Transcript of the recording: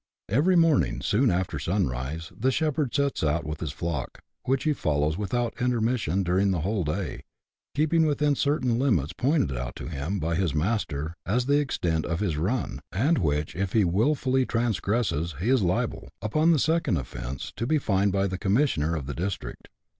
Every morning, soon after sunrise, the shepherd sets out with his flock, which he follows without intermission during the whole day, keeping within certain limits pointed out to him by his master as the extent of his " run," and which if he wilfully transgresses he is liable, upon the second offence, to be fined by the commissioner of the district.